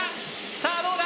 さあどうだ？